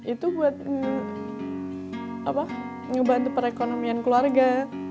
itu buat ngebantu perekonomian keluarga